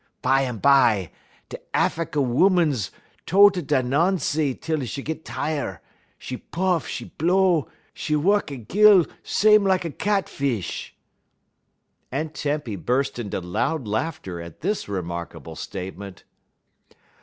"Bumbye da Affiky oomans tote a da Noncy til 'e git tire; 'e puff, 'e blow, 'e wuk 'e gill sem lak cat fish." Aunt Tempy burst into loud laughter at this remarkable statement.